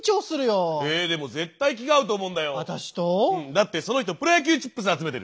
だってその人プロ野球チップス集めてる。